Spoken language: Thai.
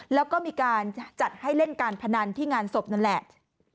แล้วก็มีการจัดให้เล่นการพนันที่งานศพนั่นแหละ